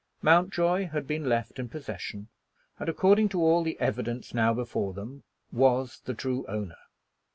Mountjoy had been left in possession, and, according to all the evidence now before them, was the true owner.